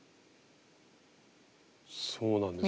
そうなんですよ。